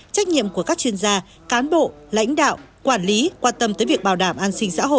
trách nhiệm của các chuyên gia cán bộ lãnh đạo quản lý quan tâm tới việc bảo đảm an sinh xã hội